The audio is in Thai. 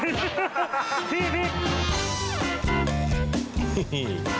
พี่พลิก